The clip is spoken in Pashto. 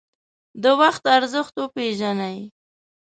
د وخت ارزښت وپیژنئ